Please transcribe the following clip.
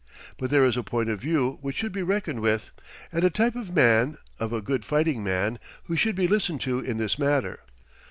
But there is a point of view which should be reckoned with, and a type of man, of a good fighting man, who should be listened to in this matter.